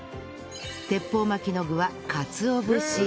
鉄砲巻きの具はかつお節